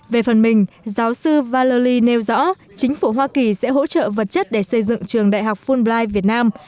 về phần mình giáo sư vali nêu rõ chính phủ hoa kỳ sẽ hỗ trợ vật chất để xây dựng trường đại học fulbright việt nam